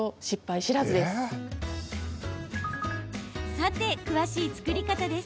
さて、詳しい作り方です。